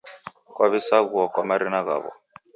Kuw'isaghuo kwa marina ghaw'o